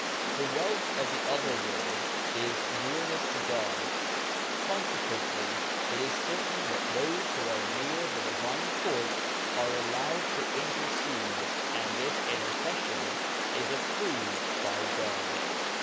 The wealth of the other world is nearness to God. Consequently it is certain that those who are near the Divine Court are allowed to intercede, and this inter cession is approved by God.